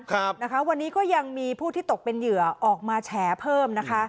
ครับนะคะวันนี้ก็ยังมีผู้ที่ตกเป็นเหยื่อออกมาแฉเพิ่มนะคะ